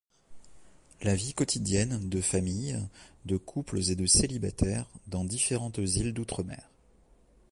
La vie quotidienne de familles, de couples et de célibataires dans différentes îles d'outre-mer.